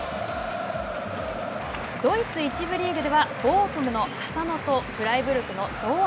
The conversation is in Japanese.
ドイツ１部リーグでは、ボーフムの浅野とフライブルクの堂安。